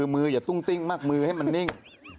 มืออย่าตุ้งติ้งมากมือให้มันนิ่ง